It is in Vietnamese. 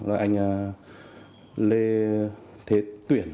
anh lê thế tuyển